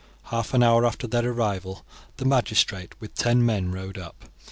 Half an hour after their arrival the magistrate, with ten men, rode up.